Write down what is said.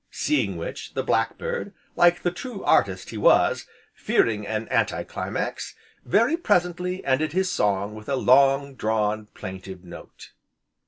Seeing which, the Black bird, like the true artist he was, fearing an anti climax, very presently ended his song with a long drawn, plaintive note.